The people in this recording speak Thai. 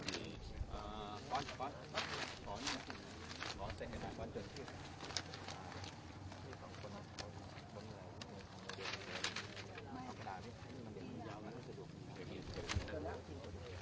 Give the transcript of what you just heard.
อีกหน่อยที่แรกคนมันเยอะกว่านี้